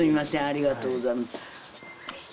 ありがとうございます